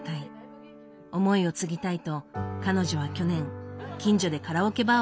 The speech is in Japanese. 思いを継ぎたいと彼女は去年近所でカラオケバーを始めたという。